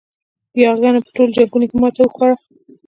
یاغیانو په ټولو جنګونو کې ماته وخوړه.